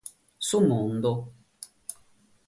Su mundu.